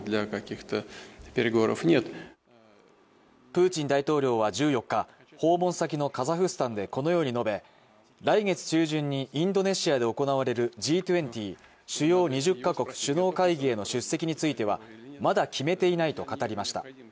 プーチン大統領は１４日訪問先のカザフスタンでこのように述べ来月中旬にインドネシアで行われるＧ２０＝主要２０か国首脳会議への出席についてはまだ決めていないと語りました。